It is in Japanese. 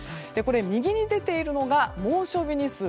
右に出ているのが猛暑日日数。